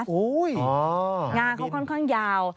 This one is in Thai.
หน้าเขาค่อนข้างยาว